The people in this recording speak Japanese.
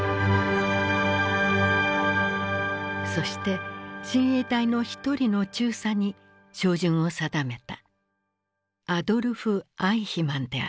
そして親衛隊の一人の中佐に照準を定めた。